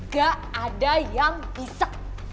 gak ada yang bisa